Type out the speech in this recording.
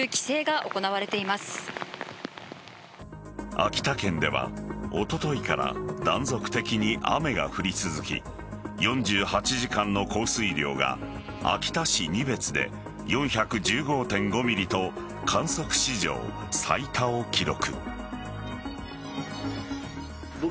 秋田県では、おとといから断続的に雨が降り続き４８時間の降水量が秋田市仁別で４１５．５ｍｍと観測史上最多を記録。